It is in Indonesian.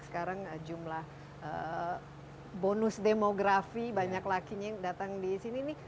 sekarang jumlah bonus demografi banyak lakinya yang datang di sini